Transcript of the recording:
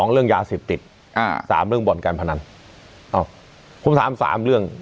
๒เรื่องยาเสพติด๓เรื่องบ่อนการพนันผมถาม๓เรื่อง